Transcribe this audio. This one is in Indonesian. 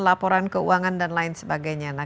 laporan keuangan dan lain sebagainya